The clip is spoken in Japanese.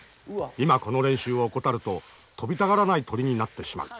今この練習を怠ると飛びたがらない鳥になってしまう。